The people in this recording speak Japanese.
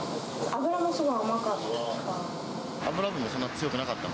脂もすごい甘かった。